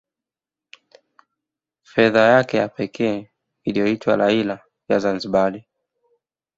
Fedha yake ya pekee iliyoitwa Riala ya Zanzibar